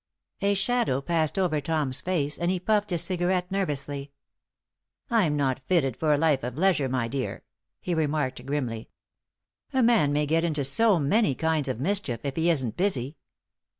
A shadow passed over Tom's face, and he puffed his cigarette nervously. "I'm not fitted for a life of leisure, my dear," he remarked, grimly. "A man may get into so many kinds of mischief if he isn't busy."